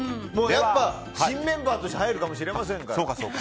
新メンバーとして入るかもしれませんから。